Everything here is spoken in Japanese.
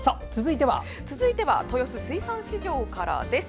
続いては豊洲水産市場からです。